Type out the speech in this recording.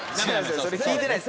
それ聞いてないです。